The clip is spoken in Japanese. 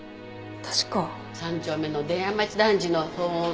３丁目の出屋町団地の騒音